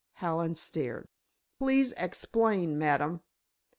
Hallen stared. "Please explain, ma'am."